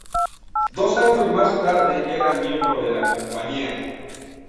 Dos años más tarde ya era miembro de la compañía.